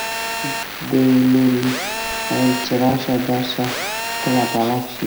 دې لوري ویل چې راشه درشه کله بالغ شي